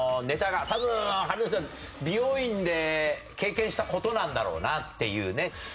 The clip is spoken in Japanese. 多分春奈ちゃん美容院で経験した事なんだろうなっていうね。